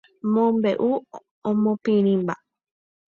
Mombe'u omopirĩva.